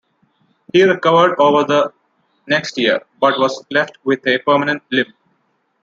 He recovered over the next year, but was left with a permanent limp.